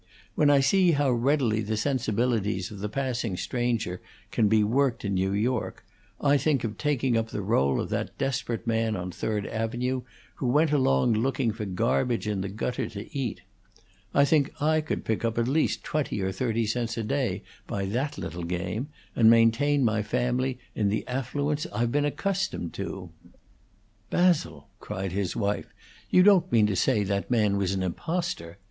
When I see how readily the sensibilities of the passing stranger can be worked in New York, I think of taking up the role of that desperate man on Third Avenue who went along looking for garbage in the gutter to eat. I think I could pick up at least twenty or thirty cents a day by that little game, and maintain my family in the affluence it's been accustomed to." "Basil!" cried his wife. "You don't mean to say that man was an impostor!